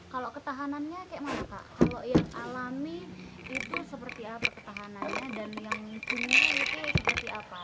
kalau ketahanannya kayak mana pak kalau yang alami itu seperti apa ketahanannya dan yang punya itu seperti apa